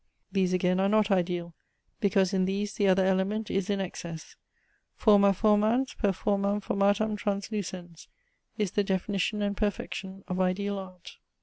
These again are not ideal; because in these the other element is in excess. "Forma formans per formam formatam translucens," is the definition and perfection of ideal art.